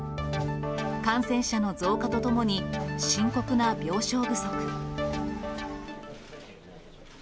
感染者の増加とともに、深刻な病床不足。